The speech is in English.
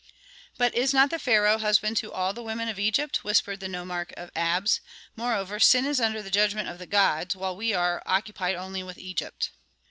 "But is not the pharaoh husband to all the women of Egypt?" whispered the nomarch of Abs. "Moreover, sin is under the judgment of the gods, while we are occupied only with Egypt."